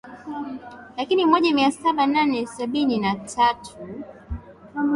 laki moja na saba mia nne sabini na tatu